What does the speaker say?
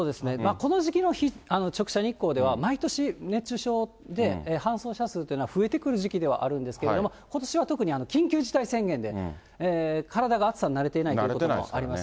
この時期の直射日光では、毎年、熱中症で搬送者数というのは増えてくる時期ではあるんですけれども、ことしは特に、緊急事態宣言で体が暑さに慣れていないということもあります。